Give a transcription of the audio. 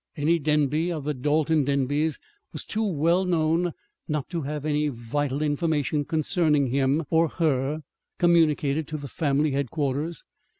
Any Denby of the Dalton Denbys was too well known not to have any vital information concerning him or her communicated to the family headquarters.